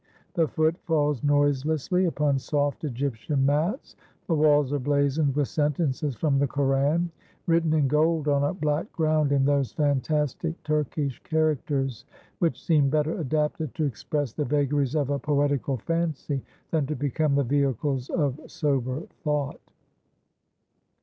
The foot falls noiselessly upon soft Egyptian mats: the walls are blazoned with sentences from the Koran, written in gold on a black ground in those fantastic Turkish characters which seem better adapted to express the vagaries of a poetical fancy than to become the vehicles of sober thought.